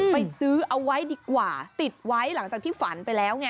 ไปซื้อเอาไว้ดีกว่าติดไว้หลังจากที่ฝันไปแล้วไง